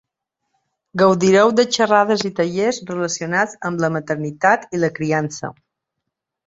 Gaudireu de xerrades i tallers relacionats amb la maternitat i la criança.